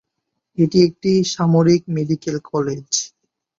এটি একটি সামরিক মেডিকেল কলেজ।